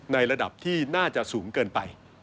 ในระดับที่น่าจะสูงเกินไป